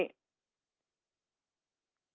เขาต้องเปลี่ยนวิถีชีวิต